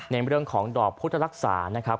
ในเรื่องของดอกพุทธรักษานะครับ